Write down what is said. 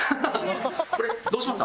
これどうします？